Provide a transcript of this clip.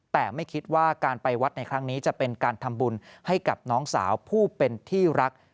แต่ไม่คิดว่าการไปวัดในครั้งนี้จะเป็นการทำบุญให้กับน้องสาวผู้เป็นที่รัก